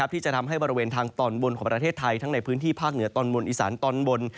ที่จะทำให้บริเวณทางตอนบนของประเทศไทยทั้งในพื้นที่ภาคเหนือตอนบนอีสานตอนบน